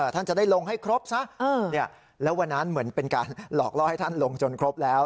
ท่านจะได้ลงให้ครบซะแล้ววันนั้นเหมือนเป็นการหลอกล่อให้ท่านลงจนครบแล้ว